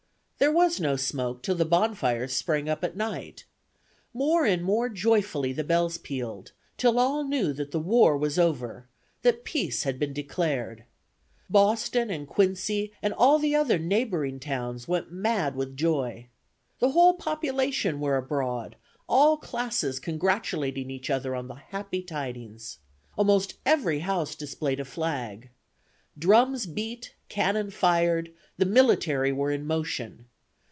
There was no smoke till the bonfires sprang up at night. More and more joyfully the bells pealed, till all knew that the war was over, that peace had been declared. Boston and Quincy and all the other neighboring towns went mad with joy. "The whole population were abroad, all classes congratulating each other on the happy tidings. Almost every house displayed a flag. Drums beat; cannon fired; the military were in motion.